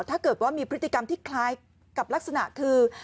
ถ้าเกิดว่ามีพฤติกรรมที่คล้ายกับลักษณะคือ